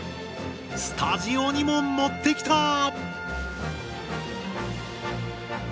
スタジオにも持ってきた！